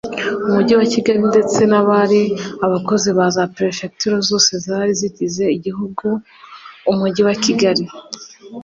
Umujyi wa Kigali ndetse n abari abakozi baza Perefegitura zose zari zigize Igihugu Umujyi wa kigali